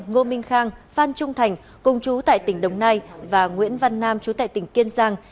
ngô minh khang phan phan trung thành công chú tại tỉnh đồng nai và nguyễn văn nam chú tại tỉnh kiên giang